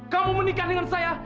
kamu menikah dengan saya